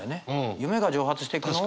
夢が蒸発していくのを。